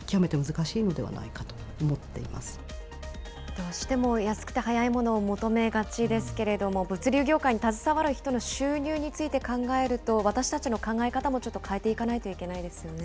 どうしても安くて早いものを求めがちですけれども、物流業界に携わる人の収入について考えると、私たちの考え方もちょっと変えていかないといけないですよね。